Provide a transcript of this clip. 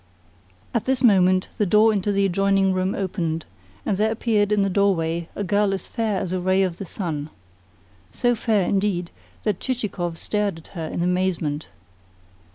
At this moment the door into the adjoining room opened, and there appeared in the doorway a girl as fair as a ray of the sun so fair, indeed, that Chichikov stared at her in amazement.